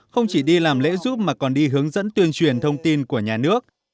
không chỉ đi làm lễ giúp mà còn đi hướng dẫn tuyên truyền thông tin của nhà nước